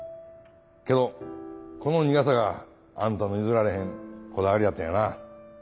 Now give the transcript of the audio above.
けどこの苦さがあんたの譲られへんこだわりやったんやな。